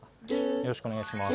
よろしくお願いします。